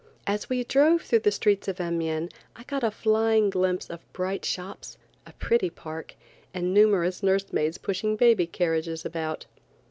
As we drove through the streets of Amiens I got a flying glimpse of bright shops, a pretty park, and numerous nurse maids pushing baby carriages about.